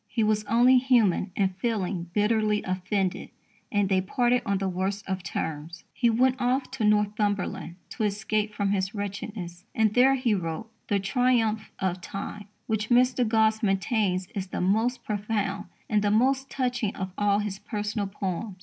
He was only human in feeling bitterly offended, and "they parted on the worst of terms." He went off to Northumberland to escape from his wretchedness, and there he wrote The Triumph of Time, which Mr. Gosse maintains is "the most profound and the most touching of all his personal poems."